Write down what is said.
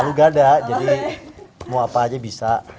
lalu gak ada jadi mau apa aja bisa